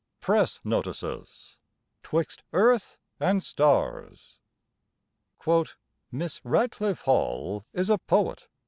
PRESS NOTICES "'TWIXT EARTH AND STARS" "Miss Radclyffe Hall is a poet.